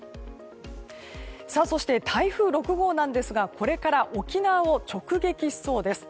そして、台風６号なんですがこれから沖縄を直撃しそうです。